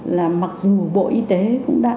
là mặc dù bộ y tế cũng đã